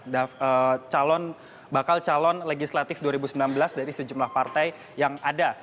bakal calon bakal calon legislatif dua ribu sembilan belas dari sejumlah partai yang ada